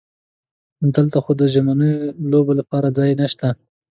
دلته خو د ژمنیو لوبو لپاره ځای نشته.